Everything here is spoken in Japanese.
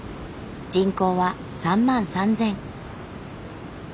人口は３万３，０００。